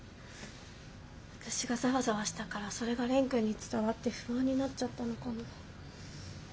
私がザワザワしたからそれが蓮くんに伝わって不安になっちゃったのかも。